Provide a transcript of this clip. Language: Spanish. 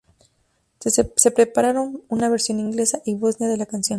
Se prepararon una versión inglesa y bosnia de la canción.